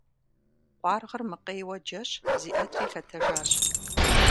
Къуаргъыр макъейуэ джэщ, зиӀэтри лъэтэжащ.